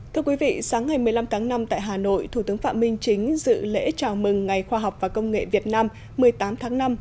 thưa quý vị sáng ngày một mươi năm tháng năm tại hà nội thủ tướng phạm minh chính dự lễ chào mừng ngày khoa học và công nghệ việt nam một mươi tám tháng năm